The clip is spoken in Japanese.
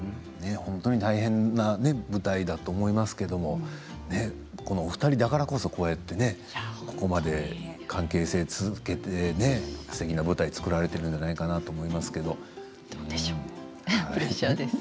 本当に大変な舞台だと思いますけどこのお二人だからこそこうやってここまで関係性が続けてすてきな舞台を作られているんじゃないかなと思います。